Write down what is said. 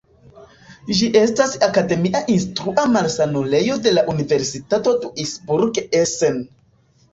Ĝi estas akademie instrua malsanulejo de la Universitato Duisburg-Essen.